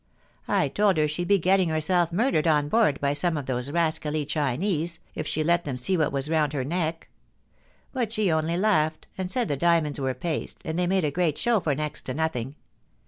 I told her she'd be getting herself murdered on board by some of those rascally Chinese, ii she let them see what was round her neck ; but she onl) laughed, and said the diamonds were paste, and they made a great show for next to nothing.